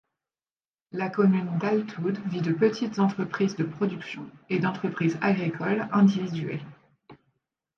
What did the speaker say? La commune d'Altoud vit de petites entreprises de production et d'entreprises agricoles individuelles.